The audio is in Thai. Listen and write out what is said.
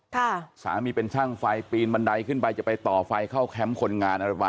สามีเป็นช่างไฟปีนบันไดขึ้นไปจะไปต่อไฟเข้าแคมป์คนงานอะไรมา